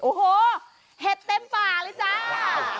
โอ้โหเห็ดเต็มป่าเลยจ้า